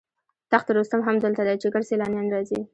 تخت رستم هم دلته دی چې ګڼ سیلانیان راځي.